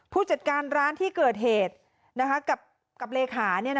ผู้จัดการร้านที่เกิดเหตุกับเลขา